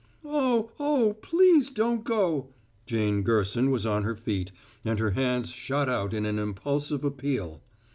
"Oh, oh, please don't go!" Jane Gerson was on her feet, and her hands shot out in an impulsive appeal.